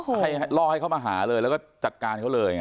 ให้ล่อให้เขามาหาเลยแล้วก็จัดการเขาเลยไง